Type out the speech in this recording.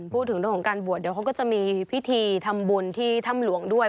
พูดถึงเรื่องของการบวชเดี๋ยวเขาก็จะมีพิธีทำบุญที่ถ้ำหลวงด้วย